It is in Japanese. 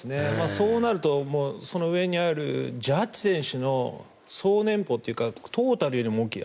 そうなると、その上にあるジャッジ選手の総年俸というかトータルよりも大きい。